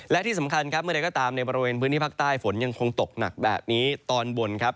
และที่สำคัญครับเมื่อใดก็ตามในบริเวณพื้นที่ภาคใต้ฝนยังคงตกหนักแบบนี้ตอนบนครับ